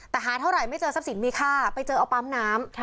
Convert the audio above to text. แต่หาเท่าไหร่ไม่เจอทรัพย์สินมีค่าไปเจอเอาปั๊มน้ำ